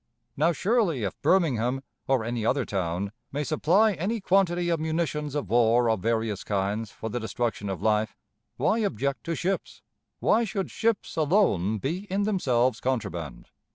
Now, surely, if Birmingham, or any other town, may supply any quantity of munitions of war of various kinds for the destruction of life, why object to ships? Why should ships alone be in themselves contraband?